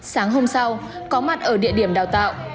sáng hôm sau có mặt ở địa điểm đào tạo